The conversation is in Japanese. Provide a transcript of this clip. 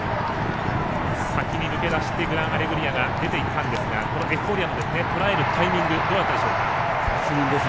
先に抜け出してグランアレグリアが出ていったんですがエフフォーリアを捉えるタイミングどうだったでしょうか？